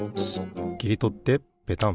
きりとってペタン。